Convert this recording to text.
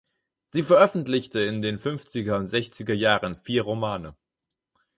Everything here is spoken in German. Sie veröffentlichte in den fünfziger und sechziger Jahren vier Romane.